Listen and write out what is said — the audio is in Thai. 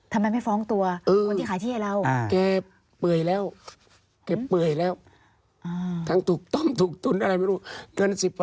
แค่แป๋ยแล้วแหละแล่ว